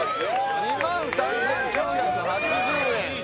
２万３９８０円